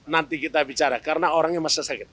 nanti kita bicara karena orangnya masih sakit